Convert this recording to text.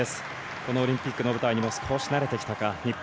このオリンピックの舞台にも少し慣れてきたか日本